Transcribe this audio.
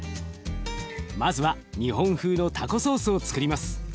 まずは日本風のタコソースをつくります。